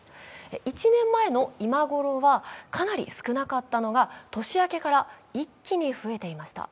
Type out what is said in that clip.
１年前の今頃はかなり少なかったのが年明けから一気に増えていました。